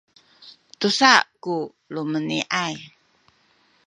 tusa ku lumeni’ay